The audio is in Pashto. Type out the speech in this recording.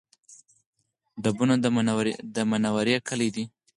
ډبونه د منورې کلی دی